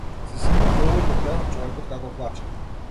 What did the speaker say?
Се симнав долу и го гледам човекот како плаче.